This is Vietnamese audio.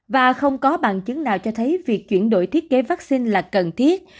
và không có bằng chứng nào cho thấy việc chuyển đổi thiết kế vaccine là cần thiết